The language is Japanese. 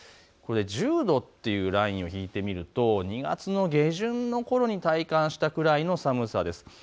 １０度というラインを引くと２月の下旬のころに体感したくらいの寒さです。